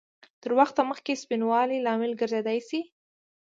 تر وخته مخکې سپینوالي لامل ګرځېدای شي؟